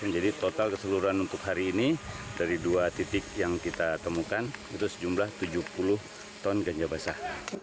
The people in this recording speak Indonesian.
jadi total keseluruhan untuk hari ini dari dua titik yang kita temukan itu sejumlah tujuh puluh ton ganja basah